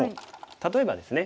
例えばですね